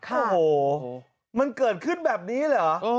โอ้โหมันเกิดขึ้นแบบนี้เหรอ